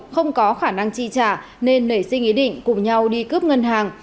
không có khả năng chi trả nên nảy sinh ý định cùng nhau đi cướp ngân hàng